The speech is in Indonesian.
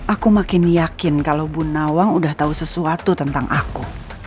aku makin yakin kalo bunawang udah tau sesuatu tentang aku